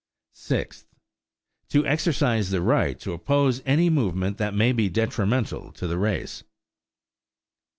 Sixth. To exercise the right to oppose any movement that may be detrimental to the race.